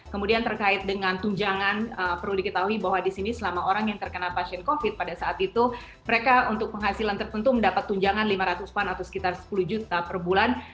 kemudian terkait dengan tunjangan perlu diketahui bahwa di sini selama orang yang terkena pasien covid pada saat itu mereka untuk penghasilan tertentu mendapat tunjangan lima ratus pan atau sekitar sepuluh juta per bulan